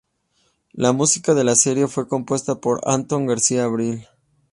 La música de la serie fue compuesta por Antón García Abril.